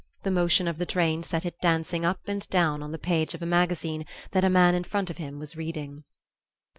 The motion of the train set it dancing up and down on the page of a magazine that a man in front of him was reading....